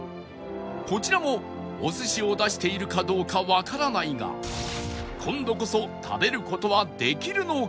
こちらもお寿司を出しているかどうかわからないが今度こそ食べる事はできるのか？